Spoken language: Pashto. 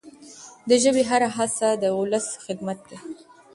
د ژبي هره هڅه د ولس خدمت دی.